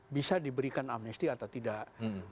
bisa diberikan amnesti atau tidak